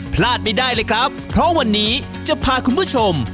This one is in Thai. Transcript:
พลาดไม่ได้เลยครับเพราะวันนี้จะพาคุณผู้ชม